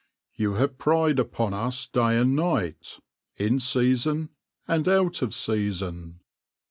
" You have pried upon us day and night, in season and out of season.